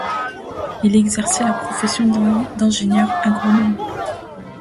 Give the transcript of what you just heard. Il exerçait la profession d'ingénieur agronome.